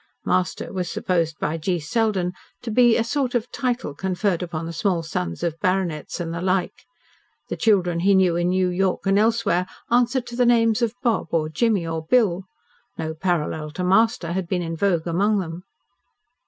"Master" was supposed by G. Selden to be a sort of title conferred upon the small sons of baronets and the like. The children he knew in New York and elsewhere answered to the names of Bob, or Jimmy, or Bill. No parallel to "Master" had been in vogue among them.